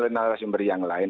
lain lain sumber yang lain